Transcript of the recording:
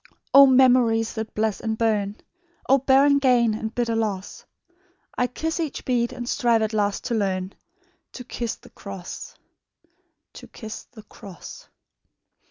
"O memories that bless and burn! O barren gain and bitter loss! I kiss each bead, and strive at last to learn To kiss the cross ... to kiss the cross."